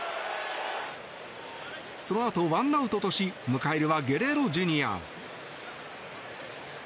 その後ワンアウトとし迎えるはゲレーロＪｒ．。